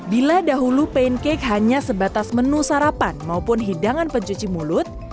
bila dahulu pancake hanya sebatas menu sarapan maupun hidangan pencuci mulut